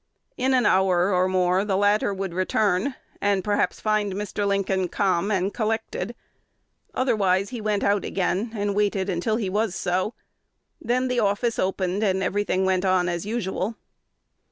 In an hour or more the latter would return, and perhaps find Mr. Lincoln calm and collected; otherwise he went out again, and waited until he was so. Then the office was opened, and every thing went on as usual.